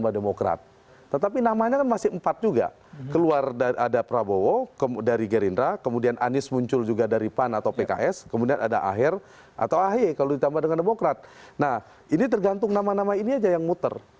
akan mengumumkan dalam hitungan minggu